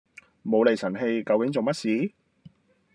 無厘神氣，究竟做乜事？